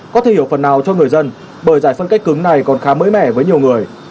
có thể hiểu phần nào cho người dân bởi giải phân cách cứng này còn khá mới mẻ với nhiều người